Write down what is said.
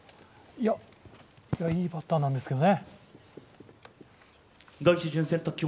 いいバッターなんですけどね。